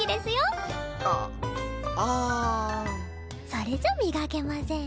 それじゃ磨けません。